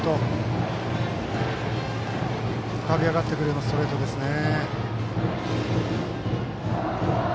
浮かび上がってくるようなストレートですね。